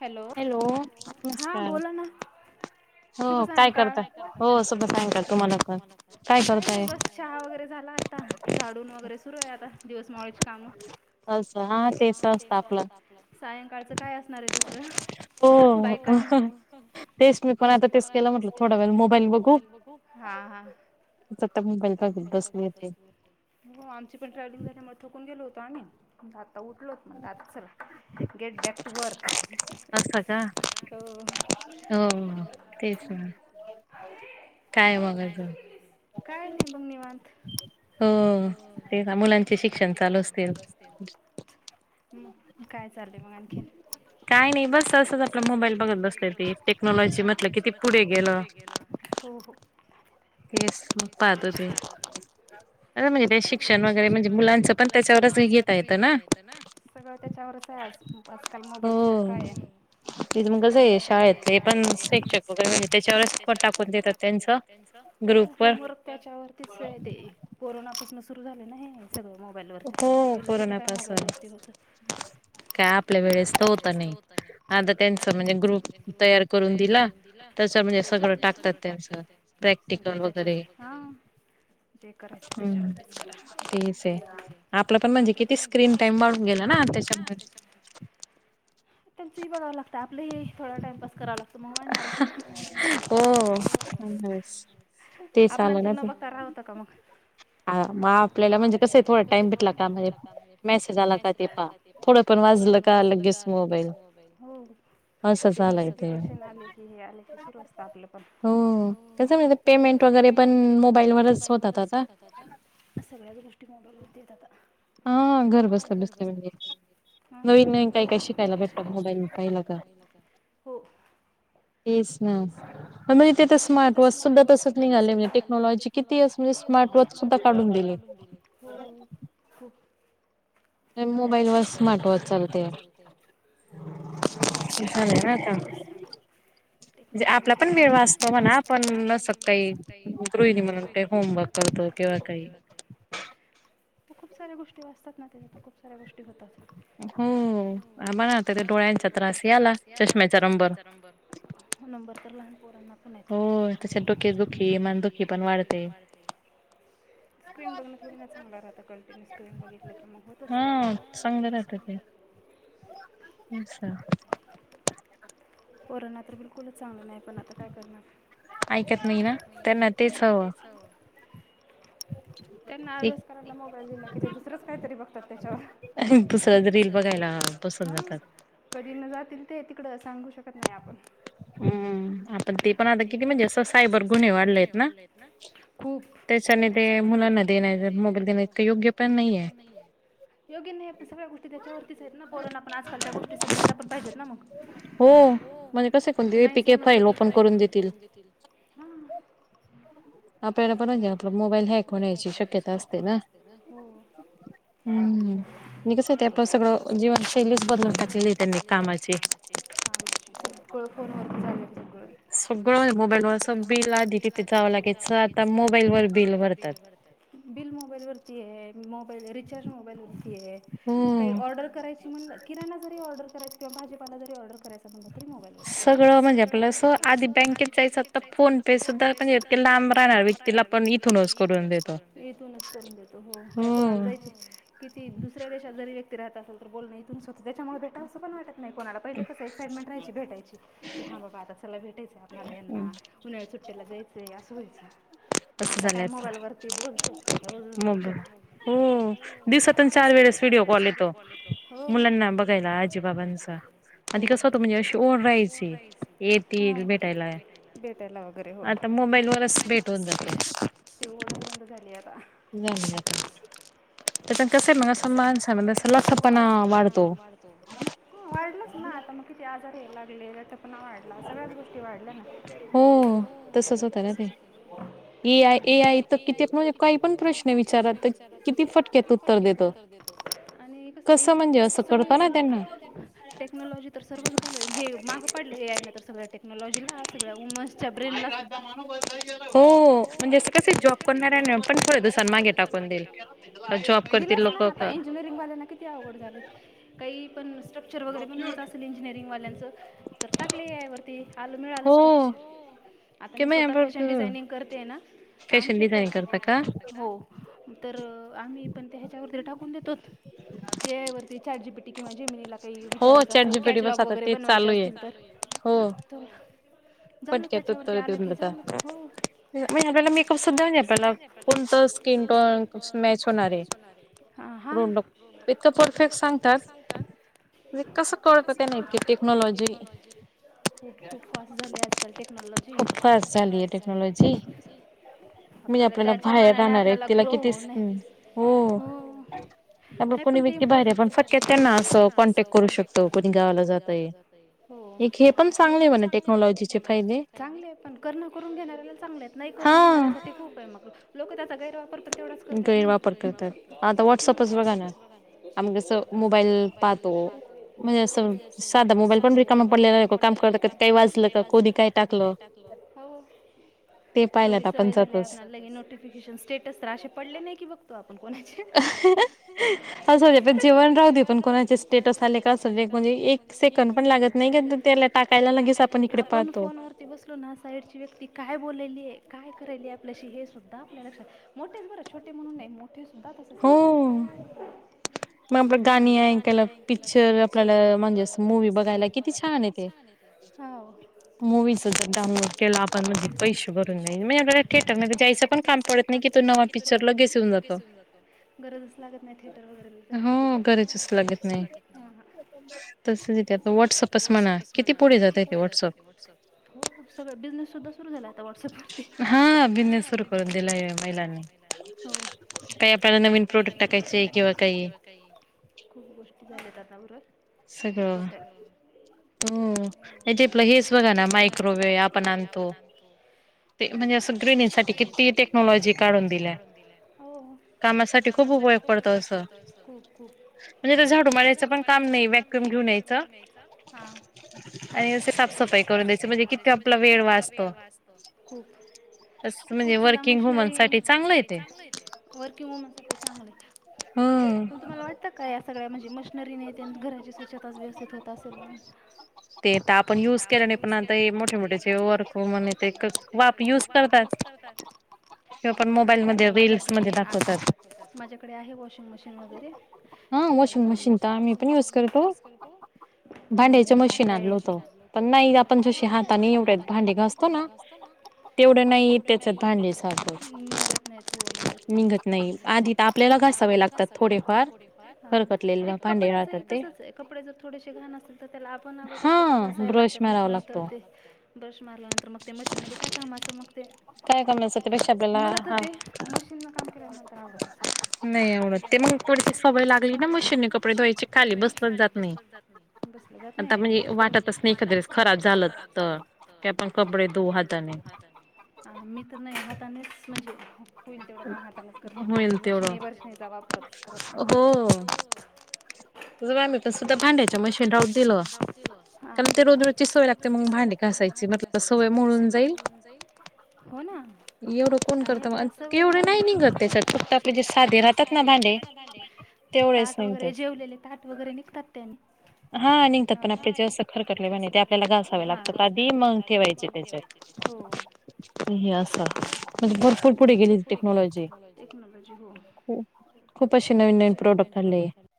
Hello हा बोला ना शुभ सायंकाळ काही नाही बस चहा वगैरे चा झाला आता झाडून वगैरे सुरू आहे आता दिवस मावळायची कामं [inaudible] सायंकाळचं काय असणार आहे दुसरं बायकांना तेच मी पण आता तेच केलेय म्हटल थोडा वेळ मोबाईल बघू. [inaudible] हो आमची पण ट्रॅव्हलिंग झाल्यामुळं थुकून गेलं होतो काय नाही आणि आता उठलोच म्हण आता चला गेट बॅक टू वर्क असं का हो तेच ना काय नाही बघ निवांत. म काय चाललय मग आणखीन काय नाही बस असंच आपला मोबाईल बघत बसले होते टेक्नॉलॉजी म्हटलं किती पुढे गेलं हो हो तेचं मग पाहतं होते [inaudible] शिक्षण वगैरे म्हणजे मुलाचं पण त्याच्यावरच घेता येत ना सगळं त्याच्यावर आजकाल मोबाईल शिवाय काय सगळ्या गोष्ट जाे शाळेतले पण त्याच्यावरच पट टाकत देतात त्यांच हो होमवर्क त्याच्यावरतीच आहे ते कोरोनापासून सुरू झाले ना हे सगळं मोबाईल वरतीच म्र पहिलं कुठ काय मोबाईल वरती होत का आता त्यांचं म्हणजे ग्रुप तयार करून दिला तसं म्हणजे सगळं टाकतात त्यांच हा जे करायचं त्याच्यावरतीच करा आपलं पण म्हणजे किती स्क्रीन टाइम वाढून गेला ना त्याच्यामुळे त्यांचाही बघाव लाग तर आपलंही थोडा टाइमपास करावा लागतो मग मांडणारच ना [inaudible] आपणला तर न बघता राहवत का मग ह आपल्याला म्हणजे कस थोडा टाइम भेटला का म्हणे मेसेज आला का ते पाहा थोड पण वाजला का लगेच मोबाईल हो. कुठे नोटिफिकेशन आले कि हे आले कि सुरू असत आपलं पण [inaudible] पेमेंट वगैरे पण मोबाईल वरचं होतात का सगळ्याच गोष्टी मोबाईल वरती येतात. हा घर बसल्या बसल्या म्हणजे नवीन-नवीन काय काय शिकायला भेट मोबाईल पाहिला का? हो. तेच ना मग ते अता स्मार्ट वॉच सुद्धा तसच निघालं म्हणजे टेक्नॉलॉजी किती अस किती असं म्हणजे स्मार्ट वॉच सुद्धा काढून दिेलेत हो. खूप त्याच्यात मोबाईल वर स्मार्ट वाॅच चालतय. सगळं चालते आता टेक्नॉलॉजीच चालतंय. म्हणजे आपला पण वेळ वाचतो म्हणा आपण नसत ताई गृहिणी म्हणून काय होमवर्क होतो कि ओ ताई. [inaudible] तर खूप साऱ्या गोष्टी वाचतात ना त्याच्यातून खूप साऱ्या गोष्टी होतात. हो हा म आता डोळ्यांचा त्रास याला चष्म्याचा नंबर. हो नंबर तर लहानपोरांना पण आहेत हो त डोके दुखी, मान दुखी पण वाढते. [unintelligible] स्क्रीन बघणं थोडी ना चांगलं राहतं कंटिन्यू स्क्रीन बघितलं की मग होत असतंय. [unintelligible] अच्छा. [inaudible] कोरोना तर बिलकुलच चांगलं नाही पण आता काय करणार? ऐकत नाही ना, त्यांना तेच हवं. त्यांना अभ्यास करायला मोबाईल दिला कि ते दुसरंच काहीतरी बघतात. त्याच्यावर [inaudible] हा कधी म्हणतात तर ते तिकडं सांगू शकत नाही आपण. हो. हम्म, अता ते पण आता किती म्हणजे अस सायबर गुन्हे वाढले आहेत ना [inaudible] त्याच्याने. तेच आणि ते मुलांना देण्यात येते ते योग्य पण नाहीये. योग्य नाही पण सगळ्या गोष्टी त्याच्यावरतीच आहेत ना पोरांना पण आजकाल त्या गोष्टी समजायला पण पाहिजेत ना मग. हो. पण कसंय नाही समजलं की काय ओपन करून देतोय लगेच. [inaudible] आपल्याला परत एकदा मोबाईल हॅक होण्याची शक्यता असते ना. मी कस [unintelligible] कामाचे हां मग ते सगळं फोन वरती झालं पाहिजे. तुम्ही कधी घेताय? सगळं मोबाईलवर, अस बिल आधी तिथे जावं लागेलच आता मोबाईल वर बिल भरतात. बिल मोबाईल वरती आहे. मोबाईल रिचार्ज मोबाईलवरती आहे काही ऑर्डर करायची म्हणलं किराणा जरी ऑर्डर किंवा जरी भाजीपाला जरी ऑर्डर करायचं म्हणलं तरी मोबाईलवरती आहे. सगळं म्हणजे आपलं असं आधी बँकेत जायचं आता फोनपे सुुद्धा [unintelligible] लांब राहणाऱ्या व्यक्तीला पण इथूनच करुन देतो. इथूनच करून देतो हो, काय कोणाला जायची किती दुसऱ्या देशात जरी व्यक्ती राहत असेल तर बोल नाही तु स्वतः त्याच्यामुळे भेटावं पण वाटत नाही कोणाला पहिले कसं एक्साइटमेंट राहायची भेटायची की हा बाबा आता चला भेटायचा हाय आपणाला यांना उन्हाळ्याच्या सु त्याला जायचंय असं व्हायचं. आता काय मोबाईलवरती बोलतो. हो दिवसातून चार वेळेस व्हिडिओ कॉल येतो [inaudible] मुलांना. बघायला आजी-बाबांचा. [inaudible] भेटायला वगैरे हो. आता मोबाईल वरच भेट होऊन जाते. ती ओढंच बंद झा नाही नाही कस आहे मगं असं [unintelligible] [inaudible] हो तसच होतं ना ते ए आय ए आय तर किती म्हणजे काही पण प्रश्न विचारा किती फटक्यात उत्तर [unintelligible] हे माग [inaudible] [inaudible] दिलस ना आता इंजिनिअरिंग वाल्यांना किती अवघड झाली काही पण स्ट्रक्चर वगैरे पण व्हायच असेल इंजिनिअरिंग वाल्यांच तर टाकले ए आय वरती आलं मिळालं स्ट्रक्चर आता मी स्वतः फॅशन डिझाइनिंग करते आहे ना [unintelligible] पण ते ह्याच्यावरती टाकून देतोत ए आय वरती ते चार जी पी टी किंवा जेमिनीला काही विचारायचं असेल कॅटलॉग वगैरे बनवायचे असतील तर त झालं त्याच्यावरती आलं की झालं हो म्हणजे आपल्याला मेकअप सुद्धा आपल्याला कोणतं स्किन टोन मॅच होणार आहे हा हा परफेक्ट सांगतात कसं कळतं त्यांना टेक्नॉलॉजी खूप खूप फास्ट झाली आजकाल टेक्नॉलॉजी फास्ट झाली म्हणजे आपल्याला बाहेर राहणार एक तिला कितीच हो नाही पण ते इम्पॉर्टंट की नाही पण फकत त्यांना असं कॉन्टॅक्ट करू शकतो कोणी गावाला जातयं एक हे पण चांगलेय म्हणे टेक्नॉलॉजीचे [inaudible] वापर तर तेवढाच करत आहे ना गैर वापर आता व्हॉट्सअपच बघा ना आमस मोबाईल पाहतो म्हणजे असं साधा मोबाईल पण रीकामा पडलेला आहे काम पडल काही वाजलं कधी काय टाकलं हो तेवढी सवय झाली आपला लगे नोटिफिकेशन स्टेटस तर असे पडले नाही की बघतो आपण कोण [unintelligible] असं हो पण जेवण राहु दे पण कोणाचे स्टेटस आले का असं म्हणजे एक सेकंड पण लागत नाही. लागत नाही त्याना आपण फोन वरती बसलो ना साईडची व्यक्ती काय बोलेली आहे काय आपल्याशी हेच होतं आपल्या लक्षात मोठेच बरं छोटे म्हणून नाही मोठे सुद्धा तसेच करतात मग आपण गाणी ऐकायला पिक्चर आपल्याला म्हणजे मूवी बघायला किती छान आहे ते [unintelligible] मूवी डाऊनलोड केला आपणजे पैसे भरून नाही म्ह थएटर मध्ये जायं पण काम पडत नाही तो नवा पिक्चर लगेच येऊन जातो गरजच लागत नाही थेएटर वगैरेला जायची कुठं गरजच लाग नाही व्हॉटसअपच म्हणा किती पुढे जातय व्हॉटसअप खुप सगळं बिझिनेस सुधा सुरू झालं आता व्हॉटसअप वरती हा बिझिनेस [inaudible] त्याला नवीन प्रोडक्ट टाकायचे किंवा काही खूप गोष्टी झाल्या आता बरोबर खूप होतय हम्म आपलं हेच बघा ना मायक्रोवेव आपण आणतो म्हणजे असं प्रेग्नेंट साठी किती टेक्नॉलॉजी काढून दिल्या [inaudible] [inaudible] आणि असशी साफसफाई करून द्यायची म्हणजे किती आपला वेळ वाचतो खूप गोष्टीला मशनरी चांगल आहे वर्किंग वुमन साठी चांगलं आहे पण तुम्हाला वाटतं का या सगळ्या म्हणजे मशनरी येतेल घराची स्वच्छता व्यवस्थित होत असेल म्हणून? ते त आपण युज केल्या नाही पण आता मोठे मोठे जे वर्कहोम म्हण ते वा युज पण मोबाईल मध्ये रीलस मध्ये दाखवत. माझ्याकडे आहे वॉशिंग मशीन वगैरे. ता मी ग पण मग मला काय. पण नाही आपण जशी हाताने एवढ्या भांडे घासतोना तेव तेवढं नाही त्याच निघत नाही हो निघत नाही. नाही आधी तर आपल्याला घासावे लागतात थोडेफार खरकटलेले भांडे राहतात ते. कपडे जर थोडीशे घाण असतील तर त्याला स्वतः घासायला लागत मग नंतर ते ब्रश मारल्यानंतर मग ते मशीन मध्ये काय कामाच तर ते मशीन य म आवडतच नाही. नाही आवडत ते मग थोडीशी सवय लागली ना मशीननी कपडे धुवायची खाली बसल जात नाही. जात नाही नाही मी वाटतच नाही एखाद्रस खराब झालं तर ते आपण कपडे दोऊ हाताने. मी तर नाही हातानेच म्हणजे होईल तेवढं काम हात ते मी त्या मशिनी वशनीचा वापरत करत नाही. [inaudible] ज आम्ही तसं तर भांड्याच्या मशीन राहुत दिलं कारण ते रोज रोजची सवय लागते मग भांडी घासायची मल सवय मोळून जाईल एवढं कोण करत म तेवढे नाही. नाही निघत त्याे साधे राहतात ना भांडे ताट वगैरे जेवलेले ताट वगैरे निघतात त्यांनी. हा निघतात पण आपले जेव्हा स खरकटले भांडे ते आपल्याला घाासवे लागतात आधी मग ठेवायचे त्याचात. [unintelligible] असा म्हणजे भरपूर पुढे गेली टेक्नॉलॉजी. टेक्नॉलॉजी हो खूप असे नवीन नवीन प्रॉडक्ट आहेत.